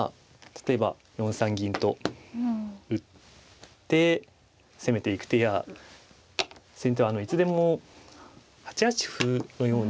例えば４三銀と打って攻めていく手や先手はいつでも８八歩のように。